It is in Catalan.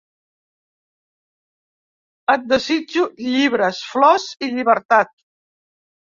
Et desitjo llibres, flors i llibertat.